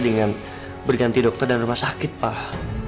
dengan berganti dokter dan rumah sakit pak